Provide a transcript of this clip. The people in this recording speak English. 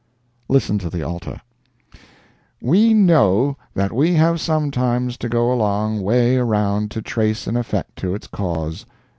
Listen to the Alta: We know that we have sometimes to go a long way around to trace an effect to its cause.